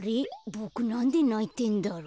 ボクなんでないてんだろう。